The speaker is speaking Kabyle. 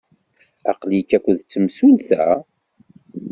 Aql-ik akked temsulta?